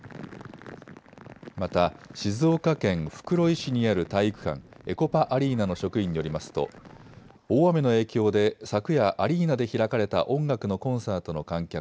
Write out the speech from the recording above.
また静岡県袋井市にある体育館、エコパアリーナの職員によりますと大雨の影響で昨夜、アリーナで開かれた音楽のコンサートの観客